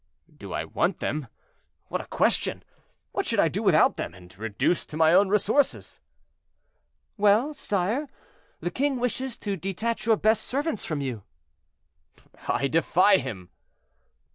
"Do I want them? what a question! What should I do without them, and reduced to my own resources?" "Well, sire, the king wishes to detach your best servants from you." "I defy him."